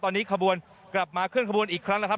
ตอนนี้ขบวนกลับมาเคลื่อนขบวนอีกครั้งแล้วครับ